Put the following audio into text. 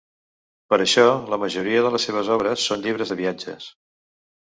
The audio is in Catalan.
Per això la majoria de les seves obres són llibres de viatges.